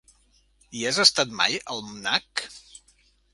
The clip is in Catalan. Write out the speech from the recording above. Hi has estat mai al MNAC?